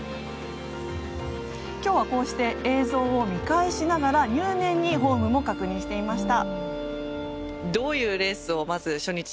今日はこうして映像を見返しながら入念にフォームも確認していました。